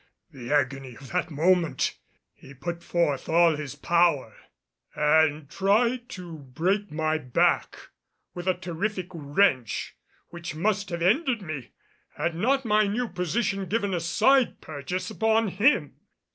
The agony of that moment! He put forth all his power and tried to break my back with a terrific wrench which must have ended me had not my new position given a side purchase upon him.